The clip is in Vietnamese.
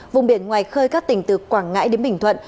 vùng biển ngoài khơi các tỉnh từ quảng ngãi đến bình thuận